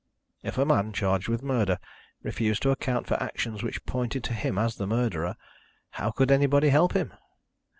If a man, charged with murder, refused to account for actions which pointed to him as the murderer, how could anybody help him?